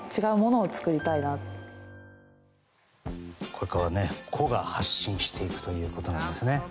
これから個が発信していくということになりますね。